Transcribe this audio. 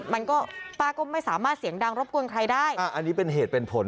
มันก็ป้าก็ไม่สามารถเสียงดังรบกวนใครได้อันนี้เป็นเหตุเป็นผล